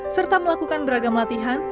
serta melakukan beragam latihan